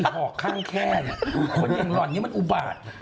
หอกข้างแค่นคนอย่างร้อนนี่มันอุบาต